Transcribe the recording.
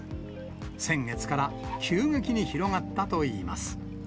先月から急激に広がったといいます。